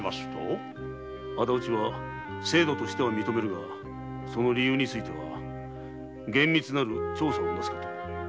「仇討ちは制度としては認めるがその理由については厳密なる調査をなすこと。